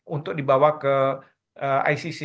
untuk dibawa ke icc